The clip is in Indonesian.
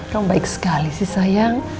kan baik sekali sih sayang